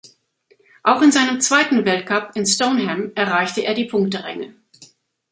Auch in seinem zweiten Weltcup in Stoneham erreichte er die Punkteränge.